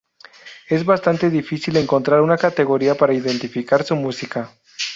Es bastante difícil encontrar una categoría para identificar su música.